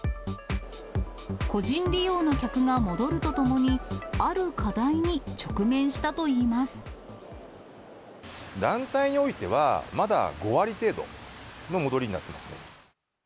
個人利用の客が戻るとともに、団体においては、まだ５割程度の戻りになってますね。